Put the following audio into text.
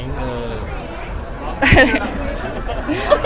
เออ